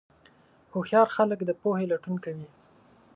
هوښیار خلک د پوهې لټون کوي.